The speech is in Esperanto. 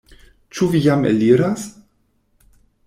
Ĉu vi jam eliras?